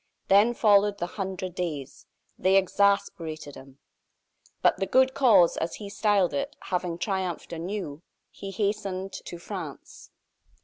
Then followed the "Hundred Days." They exasperated him. But "the good cause," as he styled it, having triumphed anew, he hastened to France.